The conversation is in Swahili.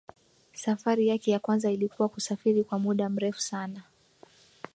safari yake ya kwanza ilikuwa kusafiri kwa muda mrefu sana